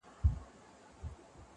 ټولنه د درد ريښه جوړوي تل،